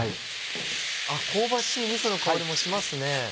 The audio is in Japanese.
あっ香ばしいみその香りもしますね。